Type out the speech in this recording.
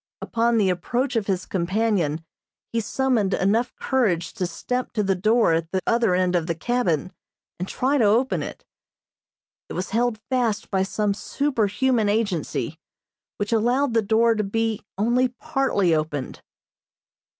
Upon the approach of his companion he summoned enough courage to step to the door at the other end of the cabin, and try to open it. It was held fast by some superhuman agency, which allowed the door to be only partly opened.